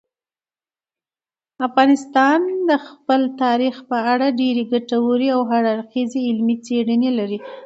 افغانستان د خپل تاریخ په اړه ډېرې ګټورې او هر اړخیزې علمي څېړنې لري.